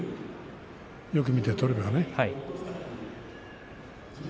よく見て取ればね。